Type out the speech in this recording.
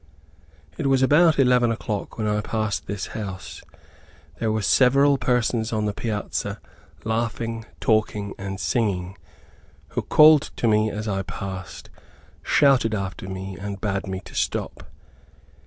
It was about eleven o'clock when I passed this house, There were several persons on the piazza, laughing, talking, and singing, who called me as I passed, shouted after me, and bade me stop.